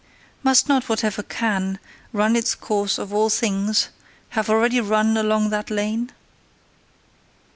Must not whatever CAN run its course of all things, have already run along that lane?